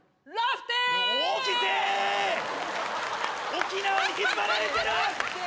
沖縄に引っ張られてる。